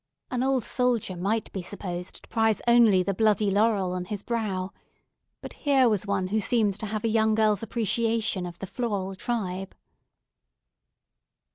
An old soldier might be supposed to prize only the bloody laurel on his brow; but here was one who seemed to have a young girl's appreciation of the floral tribe.